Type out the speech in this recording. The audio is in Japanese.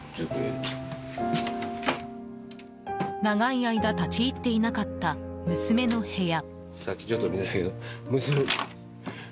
長い間立ち入っていなかった娘の部屋。